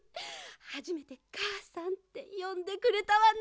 はじめて「かあさん」ってよんでくれたわね。